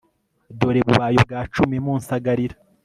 dore bubaye ubwa cumi munsagarira